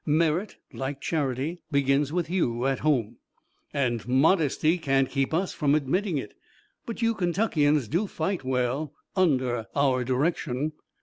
"Merit like charity begins with you at home." "And modesty can't keep us from admitting it, but you Kentuckians do fight well under our direction."